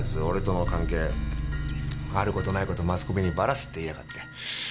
俺との関係ある事ない事マスコミにバラすって言いやがって。